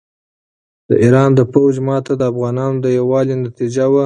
د ایران د پوځ ماته د افغانانو د یووالي نتیجه وه.